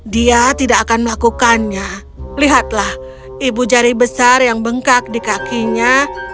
dia tidak akan melakukannya lihatlah ibu jari besar yang bengkak di kakinya